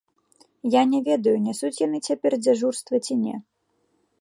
Я не ведаю, нясуць яны цяпер дзяжурства ці не.